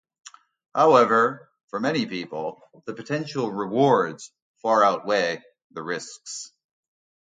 However, for many people, the potential rewards far outweigh the risks.